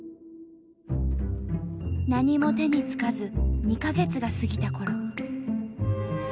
何も手につかず２か月が過ぎたころ。